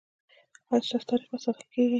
ایا ستاسو تاریخ به ساتل کیږي؟